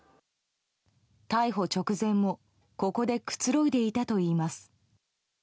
逮捕直前もここでくつろいでいたといいます。